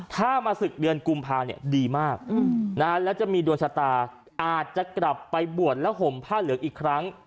ถ้ามาศึกเดือนกุมภาเนี่ยดีมากแล้วจะมีดวงชะตาอาจจะกลับไปบวชและห่มผ้าเหลืองอีกครั้ง